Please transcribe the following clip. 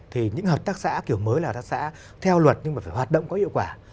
thì những hợp tác xã kiểu mới là hợp tác xã theo luật nhưng mà phải hoạt động có hiệu quả